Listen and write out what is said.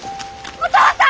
お父さん！